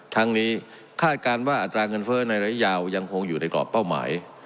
ทั้งนี้คาดการณ์ว่าอัตราเงินเฟ้อในระยะยาวยังคงอยู่ในกรอบเป้าหมาย